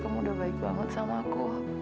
kamu udah baik banget sama aku